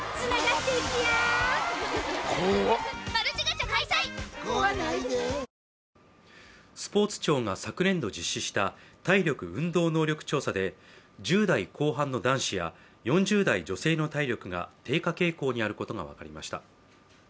試合後、両チームのファン同士がユニフォームを交換するなどスポーツ庁が昨年度実施した体力・運動能力調査で、１０代後半の男子や４０代女性の体力が低下傾向にあることが分かりました。